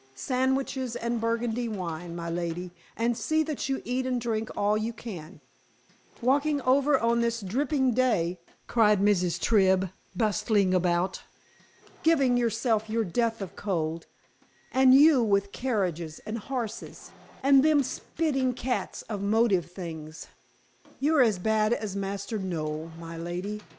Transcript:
Sandwiches and burgundy wine, my lady, and see that you eat and drink all you can. Walking over on this dripping day," cried Mrs. Tribb, bustling about. "Giving yourself your death of cold, and you with carriages and horses, and them spitting cats of motive things. You're as bad as Master Noel, my lady.